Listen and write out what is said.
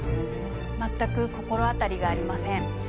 全く心当たりがありません。